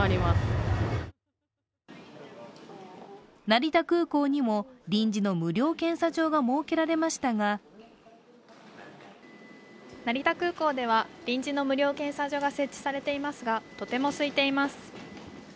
成田空港にも臨時の無料検査場が設けられましたが成田空港では臨時の無料検査場が設置されていますが、とても空いています。